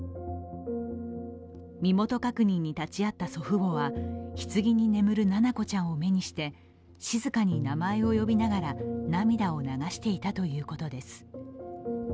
身元確認に立ち会った祖父母はひつぎに眠る七菜子ちゃんを目にして静かに名前を呼びながら、涙を流していたということです。